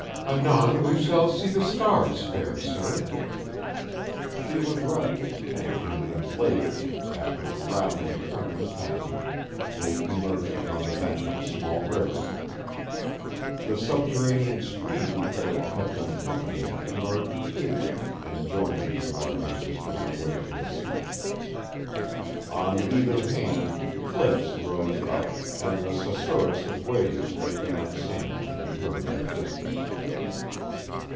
"Anon we shall see the stars, fair sir." She was right, and a few minutes later, after rounding a turn in the passage, they emerged upon the bank of a small river. The subterranean stream that had kept them company emerged, too, and joined its larger sister on the way to the sea. On either hand, cliffs rose up, and the susurrus of waves breaking on sand could be heard in the distance.